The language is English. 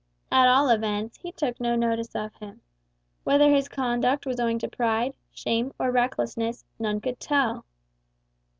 At all events he took no notice of him. Whether his conduct was owing to pride, shame, or recklessness, none could tell.